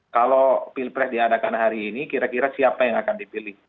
kalau pilpres diadakan hari ini kira kira siapa yang akan dipilih